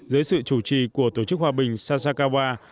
dưới sự chủ trì của tổ chức hòa bình sasakawa